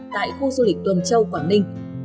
tại khu du lịch tuần châu quảng đinh